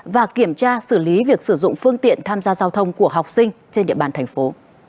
và kiểm tra xử lý việc sử dụng phương tiện tham gia giao thông của học sinh trên địa bàn thành phố